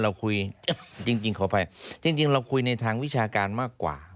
เราคุยจริงขออภัยจริงเราคุยในทางวิชาการมากกว่า